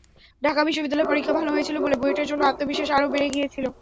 ঢাকা বিশ্ববিদ্যালয়ের পরীক্ষা ভালো হয়েছিল বলে বুয়েটের জন্য আত্মবিশ্বাস আরও বেড়ে গিয়েছিল।